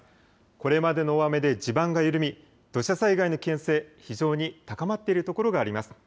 これまでの大雨で地盤が緩み土砂災害の危険性、非常に高まっている所があります。